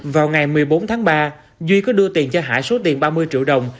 vào ngày một mươi bốn tháng ba duy có đưa tiền cho hải số tiền ba mươi triệu đồng